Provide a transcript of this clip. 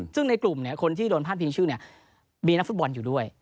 ซึ่งในกลุ่มคนที่โดนพาดพิงชื่อเนี่ยมีนักฟุตบอลอยู่ด้วย